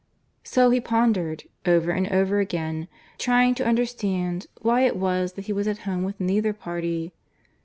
So he pondered, over and over again, trying to understand why it was that he was at home with neither party.